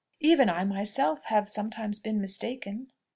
Even I myself have sometimes been mistaken."